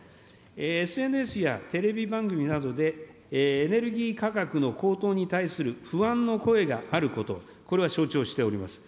ＳＮＳやテレビ番組などで、エネルギー価格の高騰に対する不安の声があること、これは承知をしております。